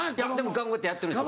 頑張ってやってるんですよ